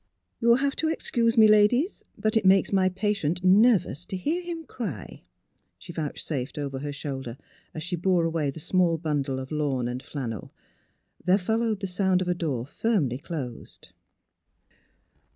" You'll have to excuse me, ladies, but it makes my patient nervous to hear him cry," she vouch safed over her shoulder, as she bore away the small bundle of lawn and flannel. There fol lowed the sound of a door firmly closed.